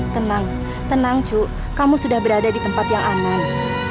tenang tenang cu kamu sudah berada di tempat yang aman